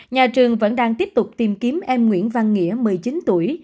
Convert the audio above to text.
nhà trường vẫn đang tiếp tục tìm kiếm em nguyễn văn nghĩa một mươi chín tuổi